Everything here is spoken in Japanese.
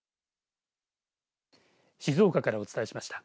静岡からお伝えしました。